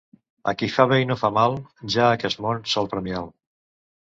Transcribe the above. A qui fa bé i no fa mal, ja aquest món sol premia'l.